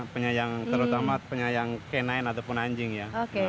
penyayang terutama penyayang canine ataupun anjing ya